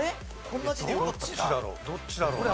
どっちだろう？